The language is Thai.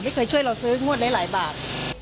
เคยช่วยเราซื้องวดหลายบาท